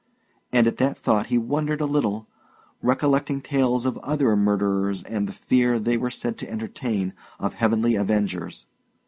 And at that thought he wondered a little, recollecting tales of other murderers and the fear they were said to entertain of heavenly avengers.